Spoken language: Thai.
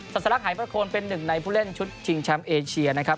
ัสลักหายประโคนเป็นหนึ่งในผู้เล่นชุดชิงแชมป์เอเชียนะครับ